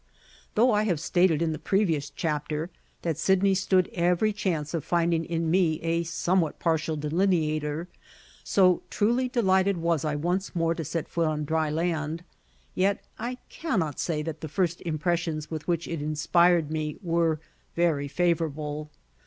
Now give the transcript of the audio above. Though I have stated in the previous chapter, that Sydney stood every chance of finding in me a somewhat partial delineator, so truly delighted was I once more to set foot on dry land, yet I cannot say that the first impressions with which it inspired me were very favourable.